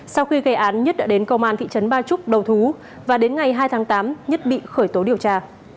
sau khi gây án nhất đã đến công an thị trấn ba trúc đầu thú và đến ngày hai tháng tám nhất bị khởi tố điều tra